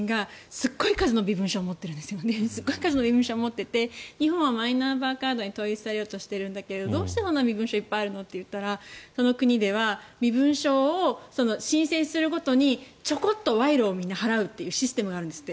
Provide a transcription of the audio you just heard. すごい数の身分証を持っていて日本はマイナンバーカードに統一されようとしているんだけどどうして身分証がいっぱいあるの？と聞いたらその国では身分証を申請するごとにちょこっと賄賂を払うというシステムがあるんですって。